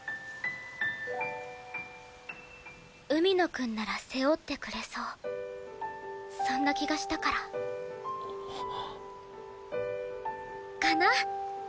海野くんなら背負ってくれそうそんな気がしたから。かな。